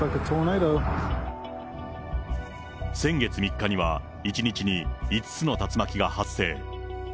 先月３日には、１日に５つの竜巻が発生。